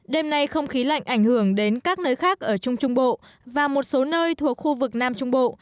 đêm nay không khí lạnh ảnh hưởng đến các nơi khác ở trung trung bộ và một số nơi thuộc khu vực nam trung bộ